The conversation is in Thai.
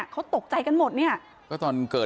เชิงชู้สาวกับผอโรงเรียนคนนี้